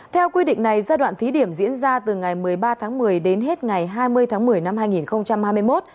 theo quy định này giai đoạn thí điểm diễn ra từ ngày một mươi ba tháng một mươi đến hết ngày hai mươi tháng một mươi năm hai nghìn hai mươi một